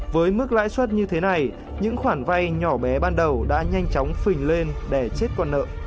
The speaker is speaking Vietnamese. với mức lãi suất như thế này những khoản vay nhỏ bé ban đầu đã nhanh chóng phình lên đè chết con nợ